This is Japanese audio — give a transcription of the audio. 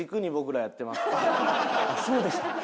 そうでした？